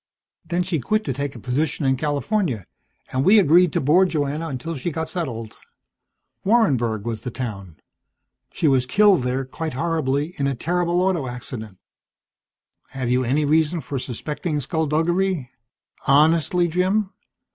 Then she quit to take a position in California, and we agreed to board Joanna until she got settled. Warrenburg was the town. She was killed there quite horribly, in a terrible auto accident." "Have you any reason for suspecting skulduggery? Honestly, Jim?